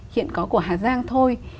hiện có của hà giang thôi